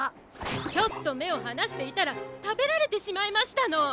ちょっとめをはなしていたらたべられてしまいましたの。